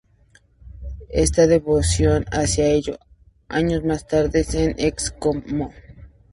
Esta devoción hacia ella, años más tarde, el Excmo.